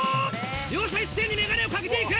両者一斉にメガネをかけていく！